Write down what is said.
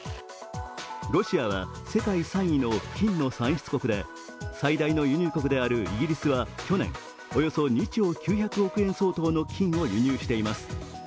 ロシアは世界３位の金の産出国で最大の輸入国であるイギリスは去年およそ２兆９００億円相当の金を輸入しています。